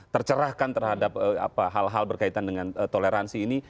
tercerahkan terhadap hal hal berkaitan dengan toleransi ini